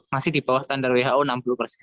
masih di bawah standar who enam puluh persen